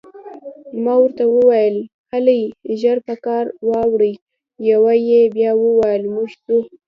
ما ورته وویل: هلئ، ژر په کار واوړئ، یوه یې بیا وویل: موږ ځو.